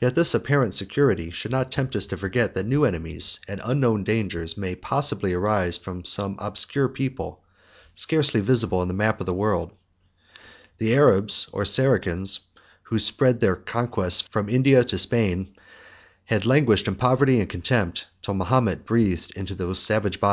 6000 Yet this apparent security should not tempt us to forget, that new enemies, and unknown dangers, may possibly arise from some obscure people, scarcely visible in the map of the world, The Arabs or Saracens, who spread their conquests from India to Spain, had languished in poverty and contempt, till Mahomet breathed into those savage bodies the soul of enthusiasm.